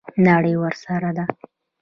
نړۍ ورسره ده.